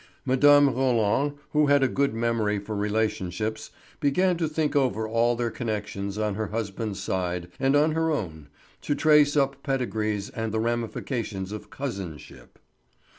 Mme. Roland, who had a good memory for relationships, began to think over all their connections on her husband's side and on her own, to trace up pedigrees and the ramifications of cousin ship.